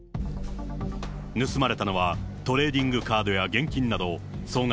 盗まれたのはトレーディングカードや現金など総額